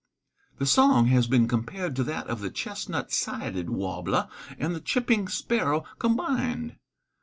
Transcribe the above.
The song has been compared to that of the chestnut sided warbler and the chipping sparrow combined.